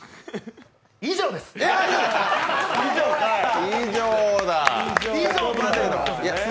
以上です！